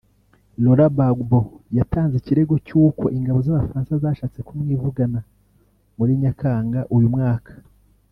Laurent Gbagbo yatanze ikirego cy’uko ingabo z’Abafaransa zashatse kumwivugana muri Nyakanga uyu mwaka